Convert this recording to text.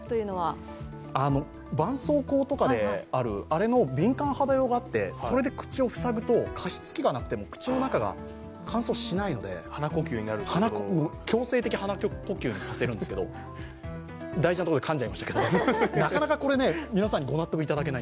ばんそうこうとかである、あれの敏感肌用があって、それで口を塞ぐと、加湿器がなくても口の中が乾燥しないので強制的鼻呼吸にさせるんですけど、なかなか、これ、皆さんにご納得いただけない。